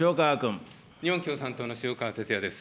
日本共産党の塩川鉄也です。